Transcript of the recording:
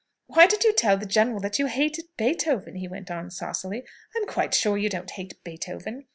"Why did you tell the general that you hated Beethoven?" he went on saucily. "I'm quite sure you don't hate Beethoven!"